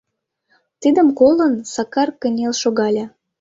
Тидым колын, Сакар кынел шогале.